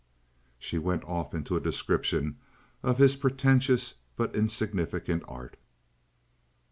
She went off into a description of his pretentious but insignificant art.